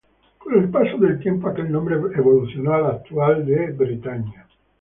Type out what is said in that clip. Con el paso del tiempo, aquel nombre, evolucionó al actual de "Bretaña".